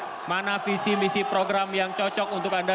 membandingkan mana visi visi program yang cocok untuk anda